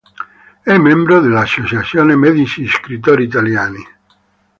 È membro dell’Associazione Medici Scrittori Italiani.